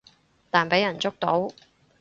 但畀人捉到